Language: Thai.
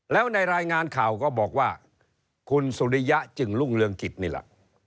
แล้วในรายงานข่าวก็บอกว่าคุณสุริยะจึงรุ่งเรืองกิจนี่แหละ